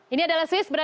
ini adalah swiss benar